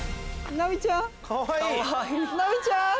ナミちゃん！